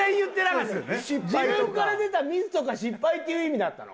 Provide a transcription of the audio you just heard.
「自分から出たミスとか失敗」っていう意味だったの？